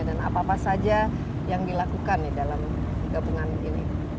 dan apa apa saja yang dilakukan dalam gabungan ini